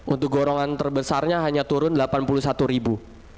untuk gorongan terbesarnya hanya turun delapan puluh satu ribu